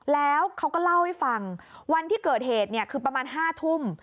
แล้วเขาก็เล่าให้ฟังวันที่เกิดเหตุคือประมาณ๕ทุ่ม